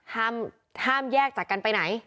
ห้ามแยกจากกันไปไหน